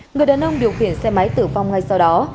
người đàn ông điều khiển xe máy tử vong ngay sau đó